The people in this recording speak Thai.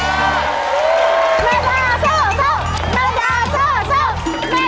แม่ดาเซอร์เซอร์